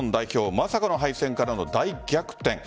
まさかの敗戦からの大逆転。